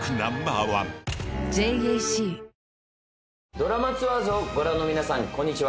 『ドラマツアーズ』をご覧の皆さんこんにちは。